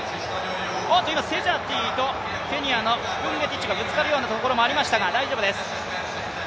おっと今、セジャティとケニアのキプンゲティッチがぶつかるようなところがありましたが大丈夫です。